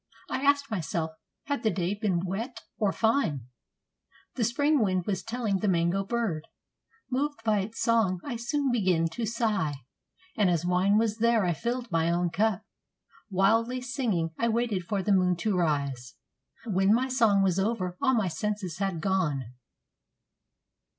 I asked myself, had the day been wet or fine? The Spring wind was telling the mango bird. Moved by its song I soon began to sigh, And as wine was there I filled my own cup. Wildly singing I waited for the moon to rise; When my song was over, all my senses had gone.